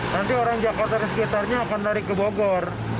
nanti orang jakarta dan sekitarnya akan lari ke bogor